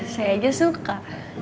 saya aja suka